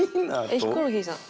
えっヒコロヒーさん。